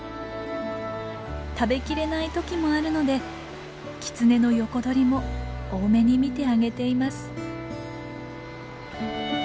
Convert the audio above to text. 食べきれない時もあるのでキツネの横取りも大目に見てあげています。